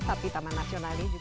tapi taman nasional ini juga